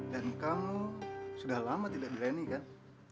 dan kamu sudah lama tidak dirani kan